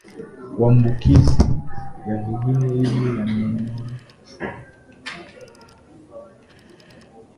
Maambukizi ya viini hivi yameonyeshwa